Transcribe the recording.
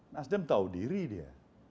nasdem tahu diri dia